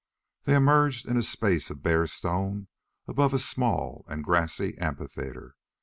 They emerged in a space of bare stone above a small and grassy amphitheatre.